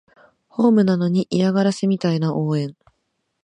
ホームなのに嫌がらせみたいな応援